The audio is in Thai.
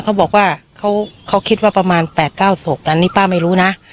เขาบอกว่าเขาเขาคิดว่าประมาณแปดเก้าศพแต่อันนี้ป้าไม่รู้นะ